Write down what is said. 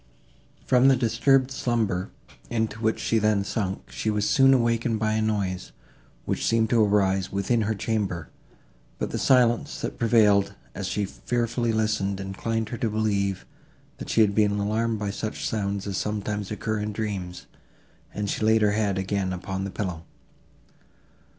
From the disturbed slumber, into which she then sunk, she was soon awakened by a noise, which seemed to arise within her chamber; but the silence, that prevailed, as she fearfully listened, inclined her to believe, that she had been alarmed by such sounds as sometimes occur in dreams, and she laid her head again upon the pillow.